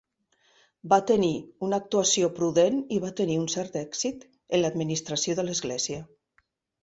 Va tenir una actuació prudent i va tenir un cert èxit en l'administració de l'església.